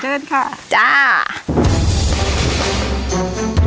สะพานหินทาลีตัวผู้ที่มีจุดสังเกตที่ก้อนหินสองก้อนที่บริเวณสะพานนี่แหละค่ะ